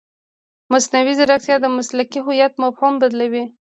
مصنوعي ځیرکتیا د مسلکي هویت مفهوم بدلوي.